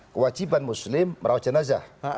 kewajiban muslim merauh jenazah